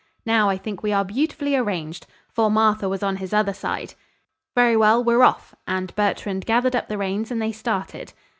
"Now I think we are beautifully arranged," for Martha was on his other side. "Very well, we're off," and Bertrand gathered up the reins and they started.